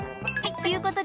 ということで。